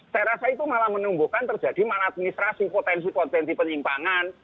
saya rasa itu malah menumbuhkan terjadi maladministrasi potensi potensi penyimpangan